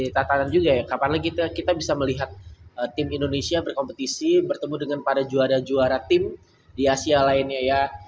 tatanan juga ya kapan lagi kita bisa melihat tim indonesia berkompetisi bertemu dengan para juara juara tim di asia lainnya ya